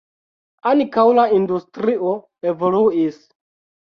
Ankaŭ la industrio evoluis.